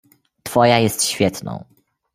"Twoja jest świetną."